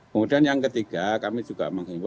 kemudian yang ketiga kami juga menghimbau